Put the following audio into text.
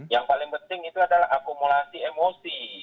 yang paling penting itu adalah akumulasi emosi